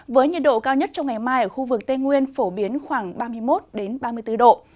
với nhiệt độ cao nhất trong ngày mai ở khu vực tây nguyên phổ biến khoảng ba mươi một ba mươi bốn độ